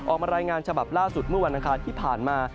ออกมารายงานฉบับล่าสุดเมื่อวันอังคารที่ผ่านมา